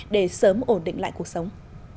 để sớm ổn định lại cuộc sống